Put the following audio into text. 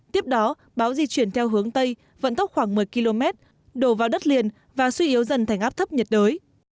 tiếp đó bão di chuyển theo hướng tây vận tốc khoảng một mươi km đổ vào đất liền và suy yếu dần thành áp thấp nhiệt đới